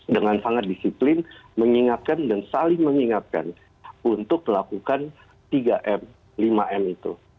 dengan sangat disiplin mengingatkan dan saling mengingatkan untuk melakukan tiga m lima m itu